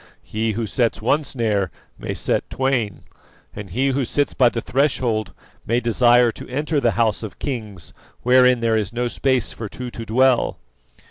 He who sets one snare may set twain, and he who sits by the threshold may desire to enter the house of kings wherein there is no space for two to dwell."